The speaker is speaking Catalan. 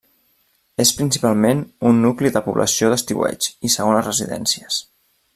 És principalment un nucli de població d'estiueig i segones residències.